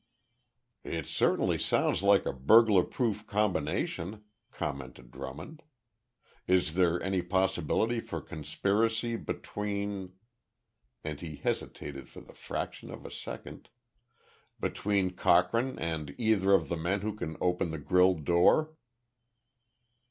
"It certainly sounds like a burglar proof combination," commented Drummond. "Is there any possibility for conspiracy between" and he hesitated for the fraction of a second "between Cochrane and either of the men who can open the grille door?"